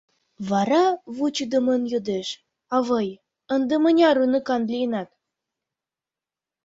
— Вара вучыдымын йодеш: — Авый, ынде мыняр уныкан лийынат?